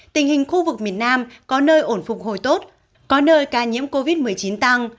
tình hình khu vực miền nam có nơi ổn phục hồi tốt có nơi ca nhiễm covid một mươi chín tăng